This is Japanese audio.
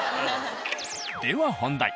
では本題。